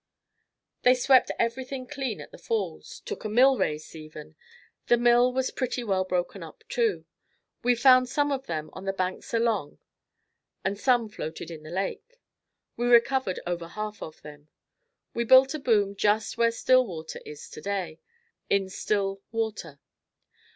They swept everything clean at the Falls. Took the millrace even. The mill was pretty well broken up too. We found some of them on the banks along and some floated in the lake. We recovered over half of them. We built a boom just where Stillwater is today, in still water.